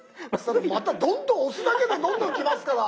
またどんどん押すだけでどんどん来ますから。